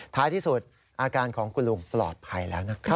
ท้ายที่สุดอาการของคุณลุงปลอดภัยแล้วนะครับ